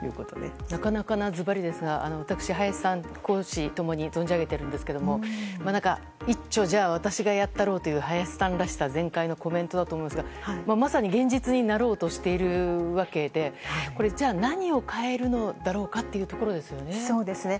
なかなかなズバリですが私、林さん公私共に存じ上げているんですがいっちょ私がやったろうという林さんらしさ全開のコメントだと思うんですがまさに現実になろうとしているわけで何を変えるのだろうかというところですよね。